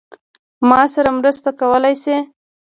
ما سره مرسته کولای شې؟